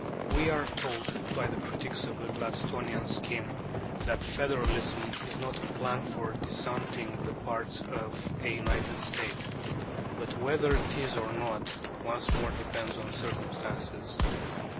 We are told by the critics of the Gladstonian scheme that federalism is not "a plan for disuniting the parts of a united state." But whether it is or not once more depends on circumstances.